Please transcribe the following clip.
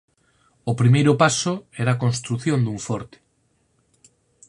O primeiro paso era a construción dun forte.